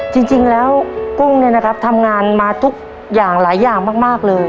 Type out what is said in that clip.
จริงแล้วกุ้งเนี่ยนะครับทำงานมาทุกอย่างหลายอย่างมากเลย